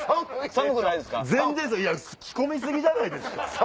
全然ですよいや着込み過ぎじゃないですか。